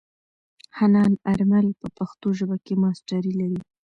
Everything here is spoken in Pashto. حنان آرمل په پښتو ژبه کې ماسټري لري.